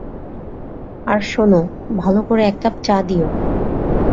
আর শোন, ভালো করে এক কাপ চা দিও!